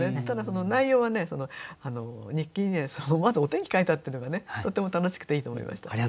ただその内容はね日記に思わずお天気描いたっていうのがねとても楽しくていいと思いました。